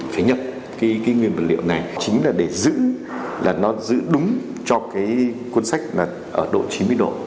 phải nhập cái nguyên vật liệu này chính là để giữ là nó giữ đúng cho cái cuốn sách là ở độ chín mươi độ